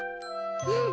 うん！